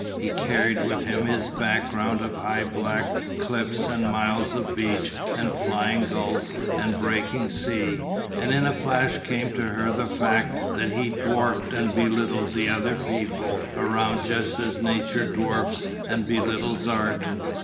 He carried with him his background of high black cliffs and miles of beach and flying gulls and breaking sea, and in a flash came to her the fact that he dwarfed and belittled the other people around just as nature dwarfs and belittles art.